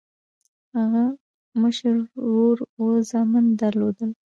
هغه مشر ورور اووه زامن درلودل.